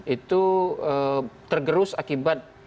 itu tergerus akibat